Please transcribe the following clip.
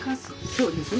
そうですね。